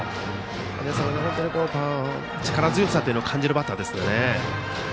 本当に力強さを感じるバッターですね。